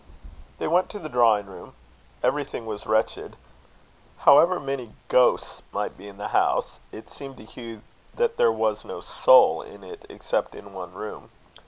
They went to the drawing room. Everything was wretched. However many ghosts might be in the house, it seemed to Hugh that there was no soul in it except in one room.